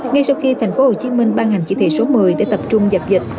ngay sau khi tp hcm ban hành chỉ thị số một mươi để tập trung dập dịch